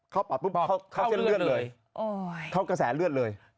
เข้าปากปุ๊บเข้าเส้นเลือดเลยเข้ากระแสเลือดเลยโอ้ย